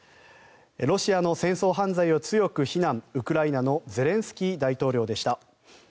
ロシアの戦争犯罪を強く非難ウクライナのゼレンスキー大統領でした。